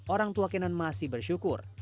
orang tua kenan masih bersyukur